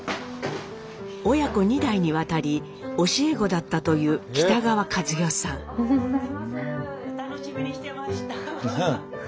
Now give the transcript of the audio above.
親子２代にわたり教え子だったという楽しみにしてました。